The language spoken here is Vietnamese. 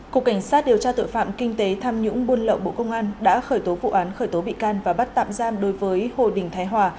cục cảnh sát điều tra tội phạm kinh tế tham nhũng buôn lậu bộ công an đã khởi tố vụ án khởi tố bị can và bắt tạm giam đối với hồ đình thái hòa